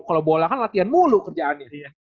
kalau bola kan latihan mulu kerjaannya